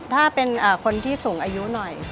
ถ้าเป็นคนที่สูงอายุหน่อย